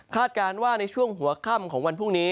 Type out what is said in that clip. การว่าในช่วงหัวค่ำของวันพรุ่งนี้